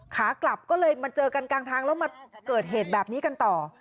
ขากลับก็เลยมาเจอกันกลางทางแล้วมาเกิดเหตุแบบนี้กันต่อ